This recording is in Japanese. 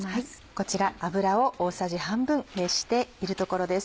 こちら油を大さじ半分熱しているところです。